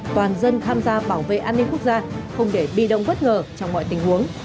toàn dân tham gia bảo vệ an ninh quốc gia không để bị động bất ngờ trong mọi tình huống